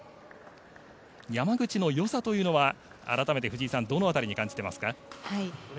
山口のよさというのは改めて藤井さんどの辺りに感じていますか？